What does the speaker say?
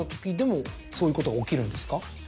そういうことが起きるんですか？